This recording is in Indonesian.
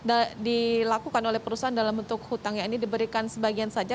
ini dilakukan oleh perusahaan dalam bentuk hutang yang ini diberikan sebagian saja